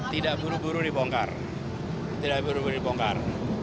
tidak buru buru dibongkar